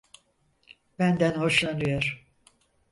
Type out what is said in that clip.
Benden hoşlanıyor.